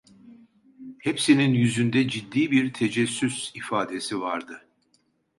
Hepsinin yüzünde ciddi bir tecessüs ifadesi vardı.